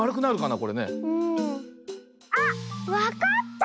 あっわかった！